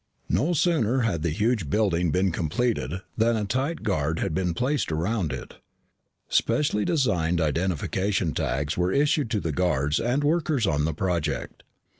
No sooner had the huge building been completed than a tight guard had been placed around it. Specially designed identification tags were issued to the guards and workers on the project.